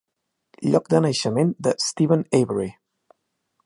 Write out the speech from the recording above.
Lloc de naixement de Steven Avery.